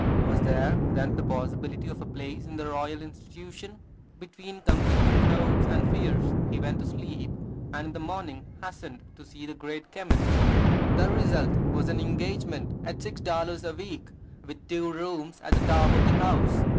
Was there, then, the possibility of a place in the Royal Institution? Between conflicting hopes and fears, he went to sleep, and in the morning hastened to see the great chemist. The result was an engagement at six dollars a week, with two rooms at the top of the house!